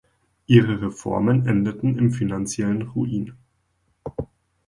Ihre Reformen endeten im finanziellen Ruin.